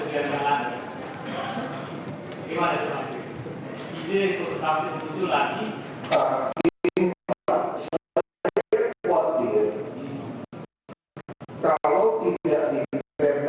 kalau dia batalkan dia yang rugi